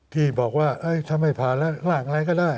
ที่บอกว่าถ้าไม่ผ่านแล้วร่างอะไรก็ได้